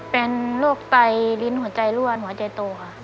เป็นโรคไตลิ้นหัวใจรวดหัวใจโตค่ะ